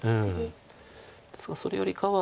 ですがそれよりかは。